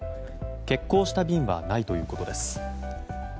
欠航した便はないということです。